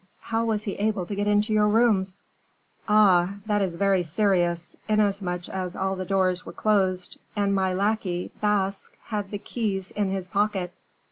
How was he able to get into your rooms?" "Ah! that is very serious, inasmuch as all the doors were closed, and my lackey, Basque, had the keys in his pocket."